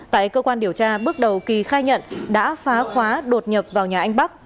tại cơ quan điều tra bước đầu kỳ khai nhận đã phá khóa đột nhập vào nhà anh bắc